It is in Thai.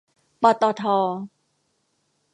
ปตท